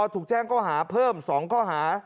ถูกแจ้งข้อหาเพิ่ม๒ข้อหา